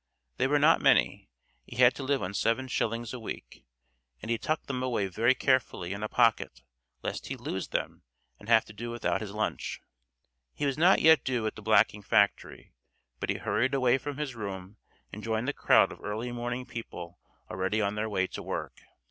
They were not many; he had to live on seven shillings a week, and he tucked them away very carefully in a pocket lest he lose them and have to do without his lunch. He was not yet due at the blacking factory, but he hurried away from his room and joined the crowd of early morning people already on their way to work.